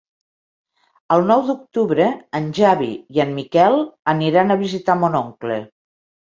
El nou d'octubre en Xavi i en Miquel aniran a visitar mon oncle.